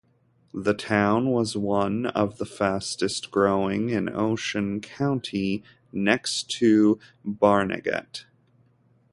The town was one of the fastest-growing in Ocean County, next to Barnegat.